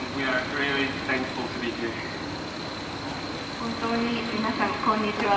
本当に皆さん、こんにちは。